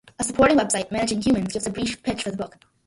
A supporting website, Managing Humans, gives a brief pitch for the book.